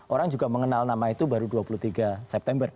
orang juga mengenal nama itu baru dua puluh tiga september